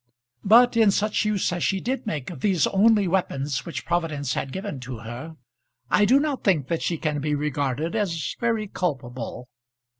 But in such use as she did make of these only weapons which Providence had given to her, I do not think that she can be regarded as very culpable.